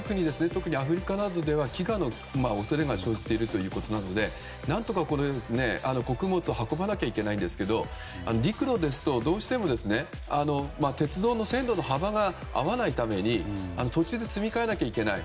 特にアフリカなどでは飢餓の恐れが生じているということなので何とか穀物を運ばなければならないんですが陸路ですと、どうしても鉄道の線路の幅が合わないために途中で積み替えなきゃいけない。